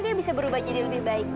dia bisa berubah jadi lebih baik